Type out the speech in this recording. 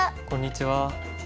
こんにちは。